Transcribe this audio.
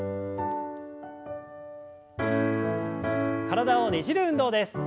体をねじる運動です。